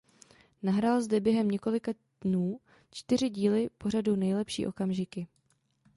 Nahrál zde během několika dnů čtyři díly pořadu Nejlepší okamžiky.